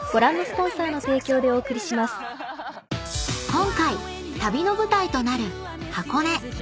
［今回旅の舞台となる箱根］